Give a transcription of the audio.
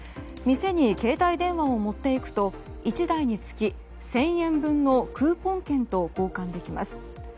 店に携帯電話を持っていくと１台につき１０００円分のクーポン券と交換できます。